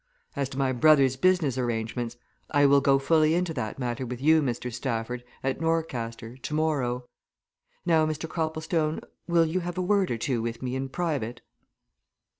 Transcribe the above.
As to my brother's business arrangements, I will go fully into that matter with you, Mr. Stafford, at Norcaster, tomorrow. Now, Mr. Copplestone, will you have a word or two with me in private?"